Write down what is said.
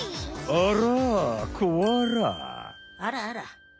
あらあら。